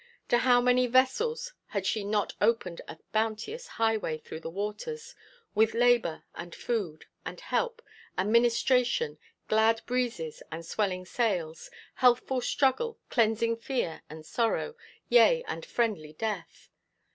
To how many vessels had she not opened a bounteous highway through the waters, with labour, and food, and help, and ministration, glad breezes and swelling sails, healthful struggle, cleansing fear and sorrow, yea, and friendly death!